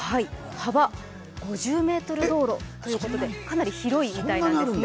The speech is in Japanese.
幅５０ｍ道路ということでかなり広いみたいなんですね。